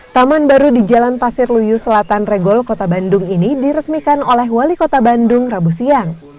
taman baru di jalan pasir luyu selatan regol kota bandung ini diresmikan oleh wali kota bandung rabu siang